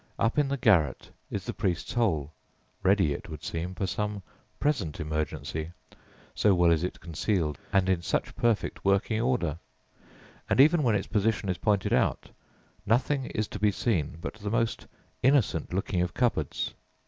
Up in the garret is the "priest's hole," ready, it would seem, for some present emergency, so well is it concealed and in such perfect working order; and even when its position is pointed out, nothing is to be seen but the most innocent looking of cupboards.